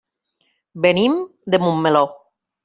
Venim de Montmeló.